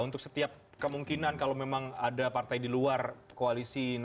untuk setiap kemungkinan kalau memang ada partai di luar koalisi